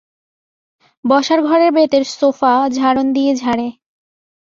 বসার ঘরের বেতের সোফা ঝাড়ন দিয়ে ঝাড়ে।